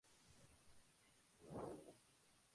Habita en el norte de Borneo.